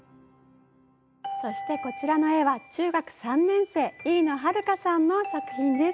そしてこちらの絵は中学３年生飯野花香さんの作品です。